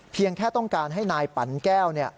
เพียงแค่ต้องการให้นายปั่นแก้ว